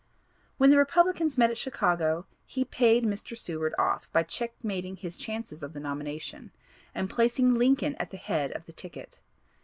When the Republicans met at Chicago he 'paid' Mr. Seward off by checkmating his chances of the nomination, and placing Lincoln at the head of the ticket.